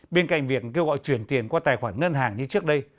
bên cạnh việc kêu gọi chuyển tiền qua tài khoản ngân hàng như trước đây